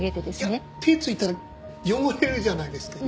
いや手ついたら汚れるじゃないですか。